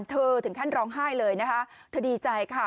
ถึงขั้นร้องไห้เลยนะคะเธอดีใจค่ะ